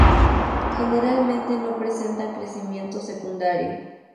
Generalmente no presentan crecimiento secundario.